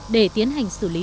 để tiến hành xử lý